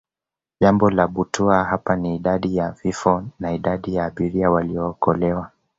Jambo la butwaa hapa ni Idadi ya vifo na idadi ya abiria waliookolewa